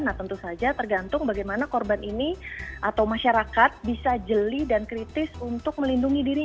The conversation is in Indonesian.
nah tentu saja tergantung bagaimana korban ini atau masyarakat bisa jeli dan kritis untuk melindungi diri